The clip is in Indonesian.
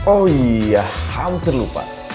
oh iya hampir lupa